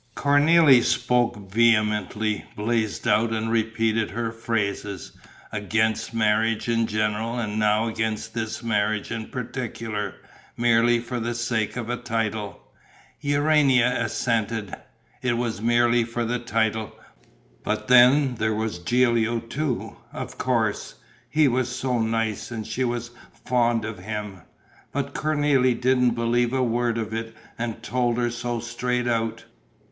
Cornélie spoke vehemently, blazed out and repeated her phrases: against marriage in general and now against this marriage in particular, merely for the sake of a title. Urania assented: it was merely for the title; but then there was Gilio too, of course: he was so nice and she was fond of him. But Cornélie didn't believe a word of it and told her so straight out.